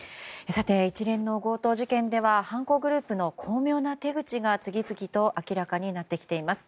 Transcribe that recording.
一連の強盗事件では犯行グループの巧妙な手口が次々と明らかになってきています。